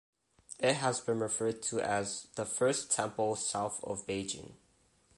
It has been referred to as the "First Temple south of Beijing".